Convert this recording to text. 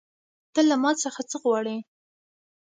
ته له ما څخه څه غواړې